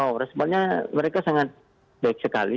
oh responnya mereka sangat baik sekali